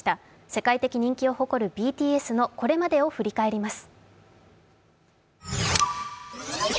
世界的人気を誇るＢＴＳのこれまでを振り返ります。